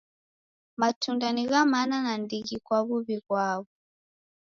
Matunda ni gha mana nandighi kwa muwi ghwako.